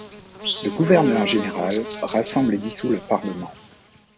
Le gouverneur général rassemble et dissout le Parlement.